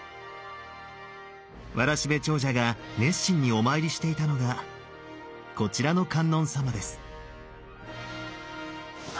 わらしべ長者が熱心にお参りしていたのがこちらの観音様です。